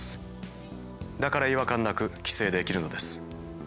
だから違和感なく寄生できるのです。